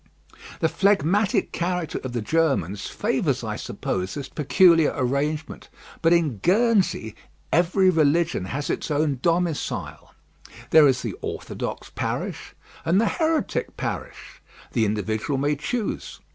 The phlegmatic character of the Germans favours, I suppose, this peculiar arrangement, but in Guernsey every religion has its own domicile; there is the orthodox parish and the heretic parish; the individual may choose.